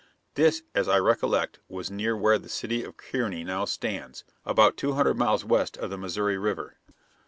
This, as I recollect, was near where the city of Kearney now stands, about two hundred miles west of the Missouri River.